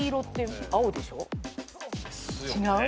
違う？